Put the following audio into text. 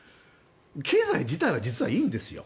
経済自体は実はいいんですよ。